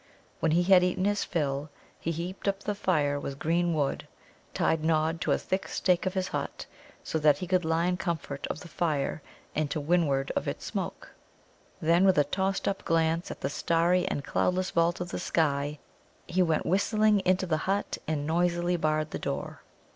When he had eaten his fill, he heaped up the fire with green wood, tied Nod to a thick stake of his hut, so that he could lie in comfort of the fire and to windward of its smoke; then, with a tossed up glance at the starry and cloudless vault of the sky, he went whistling into the hut and noisily barred the door.